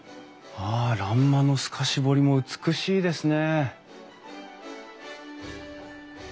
あ欄間の透かし彫りも美しいですね！